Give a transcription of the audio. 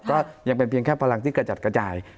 ก็ยังเป็นเพียงแค่พลังที่กระจัดกระจาย